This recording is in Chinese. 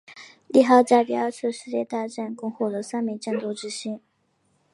利号在第二次世界大战共获得三枚战斗之星。